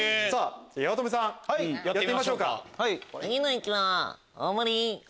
八乙女さんやってみましょうか。